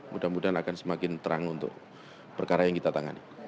mudah mudahan akan semakin terang untuk perkara yang kita tangani